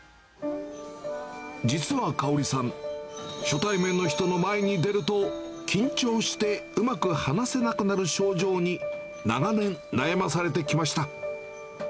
実は香里さん、初対面の人の前に出ると、緊張してうまく話せなくなる症状に長年、悩まされてきました。